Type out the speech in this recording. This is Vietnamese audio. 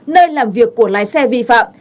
nơi làm việc của lái xe vi phạm